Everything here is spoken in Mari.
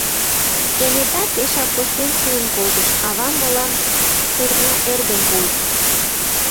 Кенета пешак кочмем шуын колтыш, авам мылам турня эрдым пуыш.